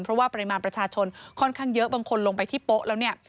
เพราะว่าปริมาณประชาชนค่อนข้างเยอะบางคนลงไปที่โป๊ะแล้วเนี่ย